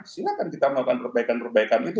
silahkan kita melakukan perbaikan perbaikan itu